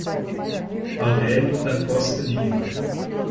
Aurelio da Costa Lima